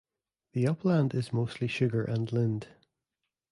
The upland is mostly Sugar and Lind.